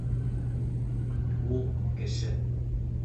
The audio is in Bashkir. — Ул — кеше!